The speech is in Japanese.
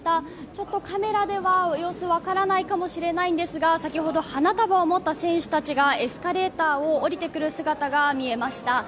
ちょっとカメラでは様子分からないかもしれないんですが先ほど花束を持った選手たちがエスカレーターをおりてくる姿が見えました。